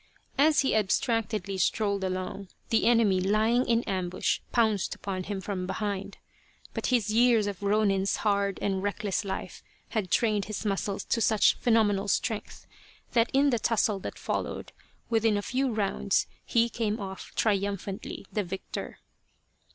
As he abstractedly strolled along, the enemy lying in ambush pounced upon him from behind. But his years of ronin's hard and reckless life had trained his muscles to such phenomenal strength that in the tussle that followed, within a few rounds, he came off triumphantly the victor.